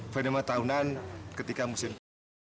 fenomena tahunan ketika musim panas